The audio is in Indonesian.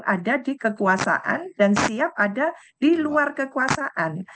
ada di kekuasaan dan siap ada di luar kekuasaan